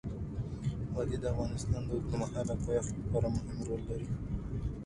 وادي د افغانستان د اوږدمهاله پایښت لپاره مهم رول لري.